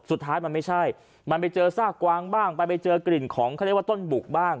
สุดท้ายมันไม่ใช่มันไปเจอซากกวางบ้างไปเจอกลิ่นของเขาเรียกว่าต้นบุกบ้าง